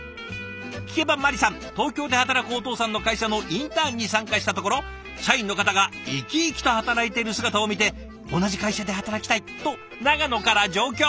聞けばまりさん東京で働くお父さんの会社のインターンに参加したところ社員の方が生き生きと働いている姿を見て「同じ会社で働きたい！」と長野から上京。